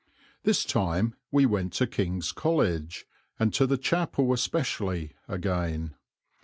This time we went to King's College, and to the chapel especially, again.